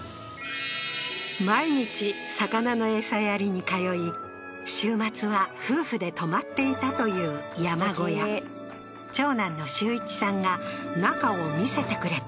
毎日魚の餌やりに通い週末は夫婦で泊まっていたという山小屋長男の修一さんが中を見せてくれた